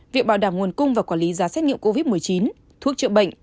việc bảo đảm nguồn cung và quản lý giá xét nghiệm covid một mươi chín thuốc chữa bệnh